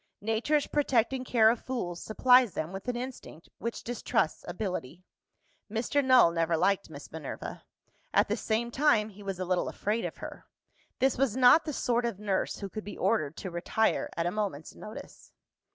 Nature's protecting care of fools supplies them with an instinct which distrusts ability. Mr. Null never liked Miss Minerva. At the same time, he was a little afraid of her. This was not the sort of nurse who could be ordered to retire at a moment's notice.